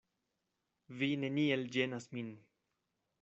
Vi neniel ĝenas min.